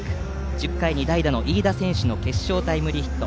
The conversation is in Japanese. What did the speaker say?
１０回に代打の飯田選手の決勝タイムリーヒット